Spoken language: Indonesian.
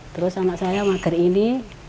terus anak saya mager ini